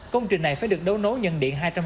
công trình này phải được đấu nấu nhân điện